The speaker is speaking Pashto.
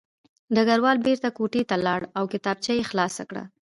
ډګروال بېرته کوټې ته لاړ او کتابچه یې خلاصه کړه